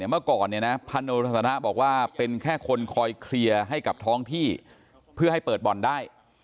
เมื่อก่อนพันโอทัศนะบอกว่าเป็นแค่คนคอยเคลียร์ให้กับท้องที่เพื่อให้เปิดบ่อนได้